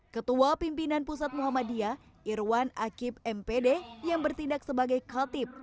ketua pimpinan pusat muhammadiyah irwan akib mpd yang bertindak sebagai khotib